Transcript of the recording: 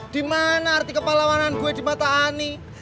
di mana arti kepala warna gue di mata ani